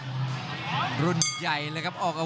กรรมการเตือนทั้งคู่ครับ๖๖กิโลกรัม